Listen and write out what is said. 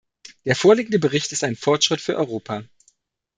Der vorliegende Bericht ist ein Fortschritt für Europa.